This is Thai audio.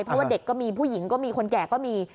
เพราะว่าเด็กก็มีผู้หญิงก็มีคนแก่ก็มี